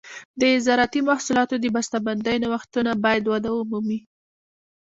د زراعتي محصولاتو د بسته بندۍ نوښتونه باید وده ومومي.